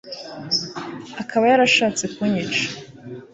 akaba yarashatse kunyica